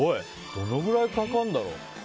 どのくらいかかるんだろう。